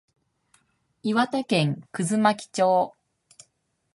岩手県葛巻町